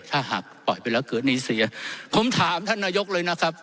ถ้าหากปล่อยไปแล้วเกิดหนี้เสียผมถามท่านนายกเลยนะครับ